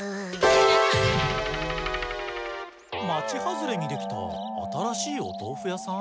町外れにできた新しいお豆腐屋さん？